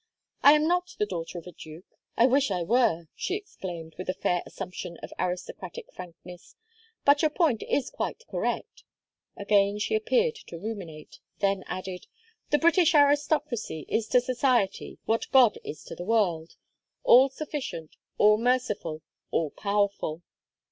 "I am not the daughter of a duke; I wish I were!" she exclaimed, with a fair assumption of aristocratic frankness. "But your point is quite correct." Again she appeared to ruminate; then added: "The British aristocracy is to society what God is to the world all sufficient, all merciful, all powerful."